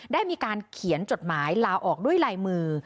ได้มีการเขียนจดหมายลาออกด้วยลายมือ